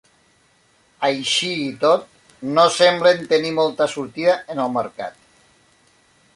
Així i tot, no semblen tenir molta sortida en el mercat.